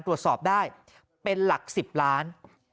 ตรวจสอบได้เป็นหลัก๑๐ล้าน